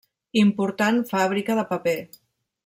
Important fàbrica de paper.